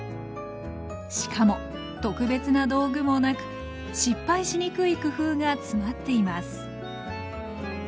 しかも特別な道具もなく失敗しにくい工夫が詰まっています